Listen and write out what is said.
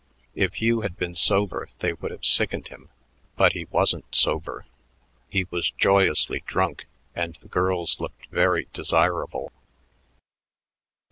If Hugh had been sober they would have sickened him, but he wasn't sober; he was joyously drunk and the girls looked very desirable.